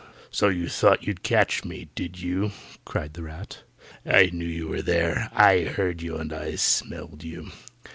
So you thought you'd catch me, did you?" cried the rat. "I knew you were there. I heard you and I smelled you.